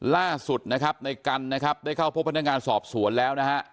ล่าสุดนะครับในกันนะครับได้เข้าพบพนักงานสอบสวนแล้วนะฮะ